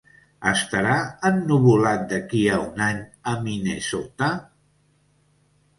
Estarà ennuvolat d'aquí a un any a Minnesota?